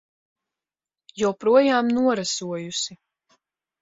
Joprojām norasojusi.